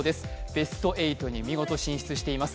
ベスト８に見事進出しています。